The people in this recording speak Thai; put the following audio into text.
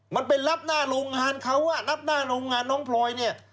มันไปรับหน้าโรงงานเขาอ่ะรับหน้าโรงงานน้องพลอยเนี่ย